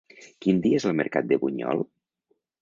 Quin dia és el mercat de Bunyol?